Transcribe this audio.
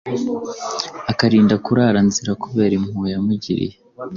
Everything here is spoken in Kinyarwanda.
akarinda kurara nzira kubera impuhwe yamugiriye.